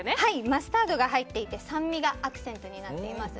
マスタードが入っていて酸味がアクセントになっています。